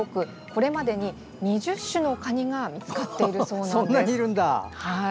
これまでに２０種のカニが見つかっているそうなんです。